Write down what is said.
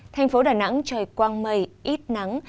thành phố đà nẵng trời quang mây ít nắng